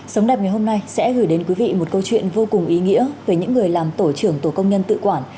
sống đẹp ngày hôm nay sẽ gửi đến quý vị một câu chuyện vô cùng ý nghĩa về những người làm tổ trưởng tổ công nhân tự quản